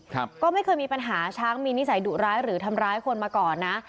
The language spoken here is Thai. ครับก็ไม่เคยมีปัญหาช้างมีนิสัยดุร้ายหรือทำร้ายคนมาก่อนนะ